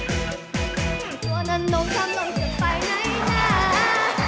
ตัวนั้นโดนทำมันเกิดไปไหนน่า